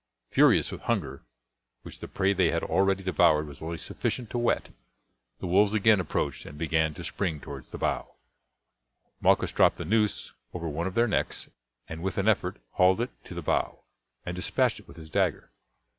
Furious with hunger, which the prey they had already devoured was only sufficient to whet, the wolves again approached and began to spring towards the bough. Malchus dropped the noose over one of their necks, and with an effort, hauled it to the bough, and despatched it with his dagger.